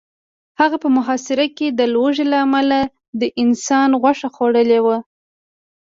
هغه په محاصره کې د لوږې له امله د انسان غوښه خوړلې وه